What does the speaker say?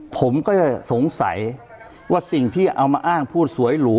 ผมก็จะสงสัยว่าสิ่งที่เอามาอ้างพูดสวยหรู